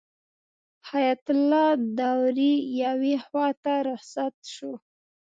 حیات الله داوري یوې خواته رخصت شو.